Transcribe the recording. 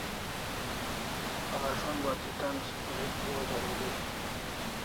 Kalashon bati tan school hik bo zaruri